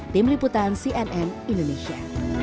tim liputan cnn indonesia